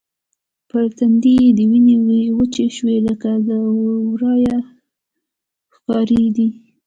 پر تندي يې د وینې وچې شوې لکې له ورایه ښکارېدې.